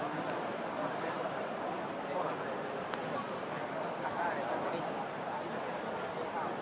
เรายั้งมาดูในของค่ายไฟลัมนะคะ